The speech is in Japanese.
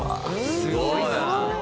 すごいな！